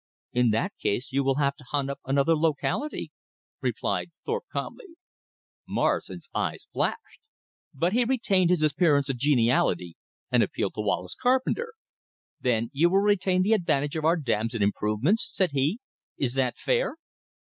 "In that case, you will have to hunt up another locality," replied Thorpe calmly. Morrison's eyes flashed. But he retained his appearance of geniality, and appealed to Wallace Carpenter. "Then you will retain the advantage of our dams and improvements," said he. "Is that fair?"